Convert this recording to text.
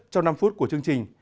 trong năm phút của chương trình